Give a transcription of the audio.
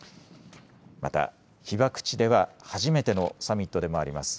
また被爆地では初めてのサミットでもあります。